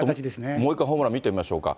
もう一回、ホームラン見てみましょうか。